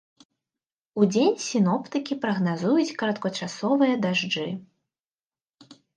Удзень сіноптыкі прагназуюць кароткачасовыя дажджы.